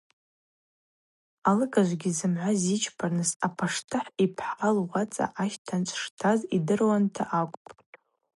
Алыгажвгьи зымгӏва ззичпазгьи апаштыхӏ йпхӏа луацӏа ащтанчӏв штаз йдыруанта акӏвпӏ.